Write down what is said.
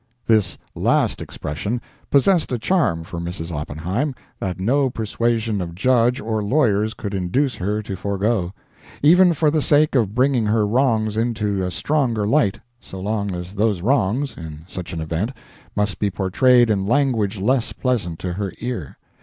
This last expression possessed a charm for Mrs. Oppenheim, that no persuasion of Judge or lawyers could induce her to forego, even for the sake of bringing her wrongs into a stronger light, so long as those wrongs, in such an event, must be portrayed in language less pleasant to her ear.